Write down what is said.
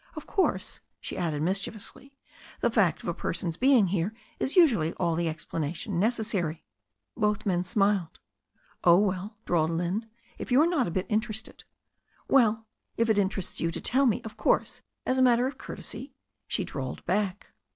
Of course," she added mischievously, "the fact of a person's being here is usually all the explanation necessary." Both men smiled. "Oh, well," drawled Lynne, "if you are not a bit in terested '* "Well, if it interests you to tell me, of course, as a matter of courtesy " she drawled back.